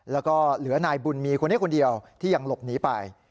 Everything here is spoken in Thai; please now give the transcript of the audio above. แล้วก็เหลือนายบุญมีคนนี้คนเดียวที่ยังหลบหนีไป